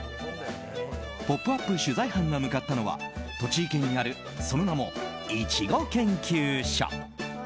「ポップＵＰ！」取材班が向かったのは栃木県にあるその名も、いちご研究所。